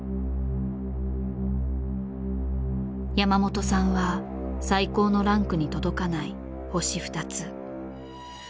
山本さんは最高のランクに届かない星二つ。